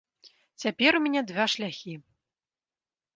Цяпер у мяне два шляхі.